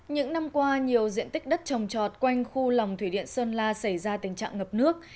những năm qua nhiều diện tích đất trồng trọt quanh khu lòng thủy điện sơn la xảy ra tình trạng ngập nước